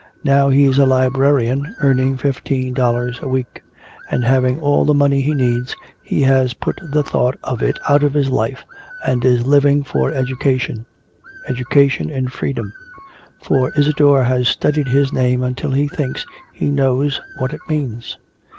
Now he's a librarian earning fifteen dollars a week, and having all the money he needs he has put the thought of it out of his life and is living for education education in freedom. For Isadore has studied his name until he thinks he knows what it means."